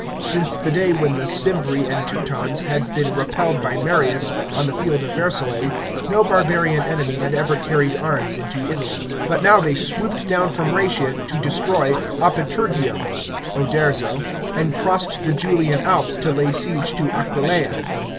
Since the day when the Cimbri and Teutons had been repelled by Marius on the field of Vercellae no barbarian enemy had ever carried arms into Italy. But now they swooped down Irom Ra3tia to destroy Opiter gium (Oderzo'), and crossed the Julian Alps to lay siege to Aquileia.